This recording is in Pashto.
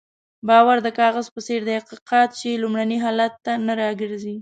باور د کاغذ په څېر دی که قات شي لومړني حالت ته نه راګرځي.